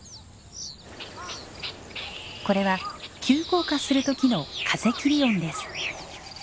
これは急降下する時の風切り音です。